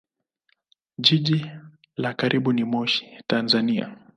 Jiji la karibu ni Moshi, Tanzania.